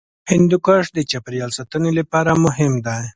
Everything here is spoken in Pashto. هندوکش د چاپیریال ساتنې لپاره مهم دی.